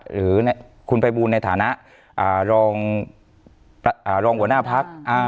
หรือคุณภัยบูลในฐานะรองหัวหน้าพัก